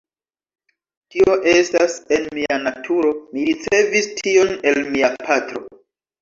Tio estas en mia naturo, mi ricevis tion el mia patro.